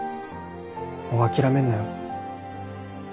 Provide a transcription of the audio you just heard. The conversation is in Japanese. もう諦めんなよ。